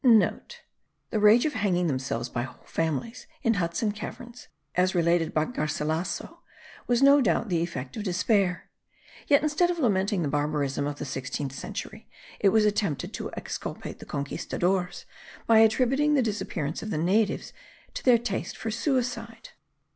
(* The rage of hanging themselves by whole families, in huts and caverns, as related by Garcilasso, was no doubt the effect of despair; yet instead of lamenting the barbarism of the sixteenth century, it was attempted to exculpate the conquistadores, by attributing the disappearance of the natives to their taste for suicide.